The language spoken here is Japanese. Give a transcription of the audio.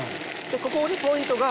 ここでポイントが。